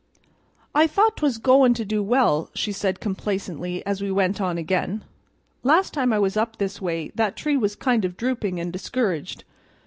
"I thought 'twas goin' to do well," she said complacently as we went on again. "Last time I was up this way that tree was kind of drooping and discouraged.